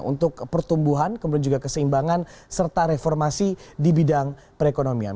untuk pertumbuhan kemudian juga keseimbangan serta reformasi di bidang perekonomian